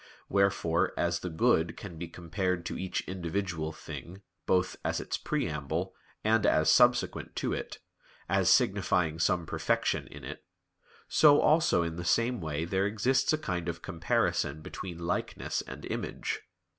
Wherefore, as the good can be compared to each individual thing both as its preamble, and as subsequent to it, as signifying some perfection in it, so also in the same way there exists a kind of comparison between "likeness" and "image."